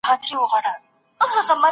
دباندي ډېر غږ دی وګوره څوک جنګ کوي.